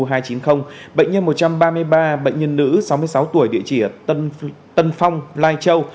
bệnh nhân một trăm ba mươi ba bệnh nhân nữ sáu mươi sáu tuổi địa chỉ ở tân phong lai châu